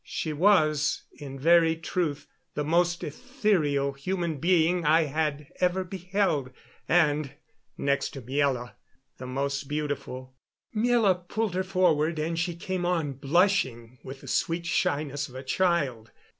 She was, in very truth, the most ethereal human being I had ever beheld. And next to Miela the most beautiful. Miela pulled her forward, and she came on, blushing with the sweet shyness of a child.